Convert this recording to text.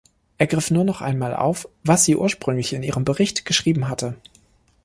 Er griff nur noch einmal auf, was sie ursprünglich in ihrem Bericht geschrieben hatte.